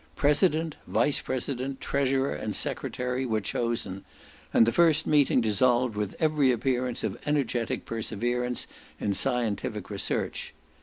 President, vice president, treasurer, and secretary, were chosen; and the first meeting dissolved with every appearance of energetic perseverance in scientific research.